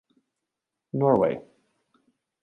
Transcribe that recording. Norway.